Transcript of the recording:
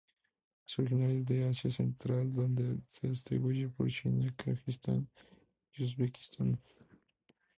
Es originaria de Asia Central donde se distribuye por China, Kazajistán y Uzbekistán.